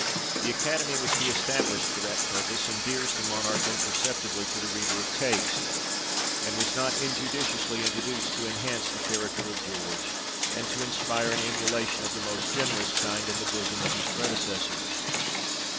The Academy which he estab lished for that purpose, endears the Monarch impercep tibly to the reader of taste, and was not injudiciously introduced to enhance the character of George, and to inspire an emulation of the most generous kind in the bosom of his predecessors.